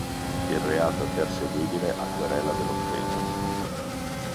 Il reato è perseguibile a querela dell'offeso.